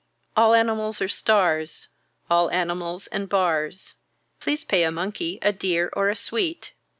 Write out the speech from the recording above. All animals are stars All animals and bars. Please pay a monkey a dear or a sweet.